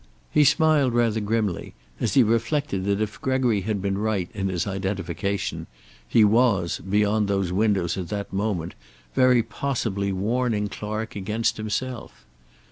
He smiled rather grimly as he reflected that if Gregory had been right in his identification, he was, beyond those windows at that moment, very possibly warning Clark against himself.